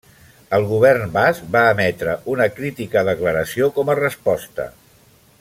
El govern basc va emetre una crítica declaració com a resposta.